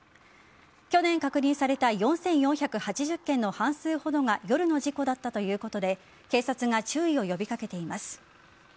去年確認された４４８０件の半数ほどが夜の事故だったということで警察が注意を呼び掛けています。